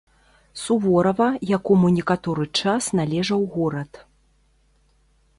Суворава, якому некаторы час належаў горад.